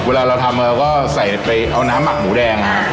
เวลาเราทำเราก็ใส่ไปเอาน้ำหมักหมูแดงครับ